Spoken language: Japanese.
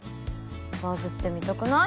バズってみたくない？